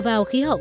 đèo pha đin